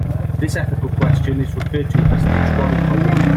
This ethical question is referred to as the trolley problem.